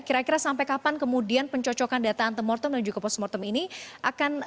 kira kira sampai kapan kemudian pencocokan data antemortem dan juga postmortem ini akan